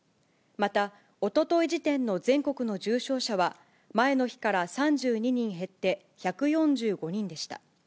またおととい時点の全国の重症者は、前の日から３２人減って１４５人でした。